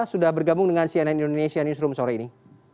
sudah bergabung dengan cnn indonesia newsroom sore ini